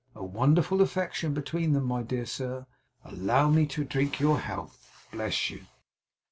A wonderful affection between them, my dear sir! Allow me to drink your health. Bless you!